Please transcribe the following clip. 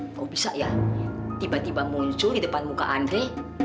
kalau bisa ya tiba tiba muncul di depan muka andri